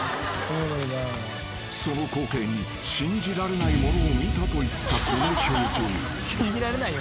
［その光景に信じられないものを見たといったこの表情］